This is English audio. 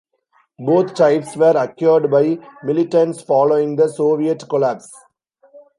Both types were acquired by militants following the Soviet collapse.